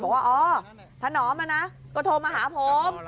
บอกว่าถนอมนะก็โทรมาหาผม